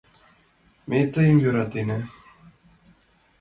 Ме тыйым йӧратена!